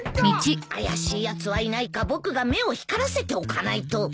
怪しいやつはいないか僕が目を光らせておかないと。